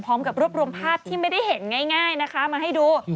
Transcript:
พร้อมกับรวบรวมภาพที่ไม่ได้เห็นง่ายนะคะมาให้ดู